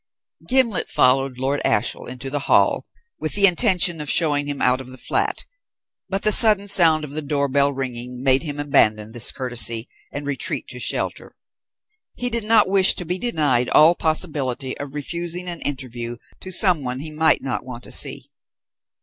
Gimblet followed Lord Ashiel into the hall with the intention of showing him out of the flat, but the sudden sound of the door bell ringing made him abandon this courtesy and retreat to shelter. He did not wish to be denied all possibility of refusing an interview to some one he might not want to see.